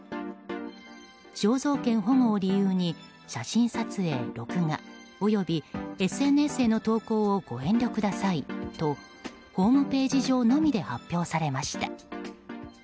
肖像権保護を理由に写真撮影・録画およびＳＮＳへの投稿をご遠慮くださいとホームページ上のみで発表されました。